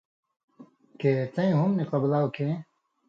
کہ څَیں ہُم نی قبلاؤ کھیں،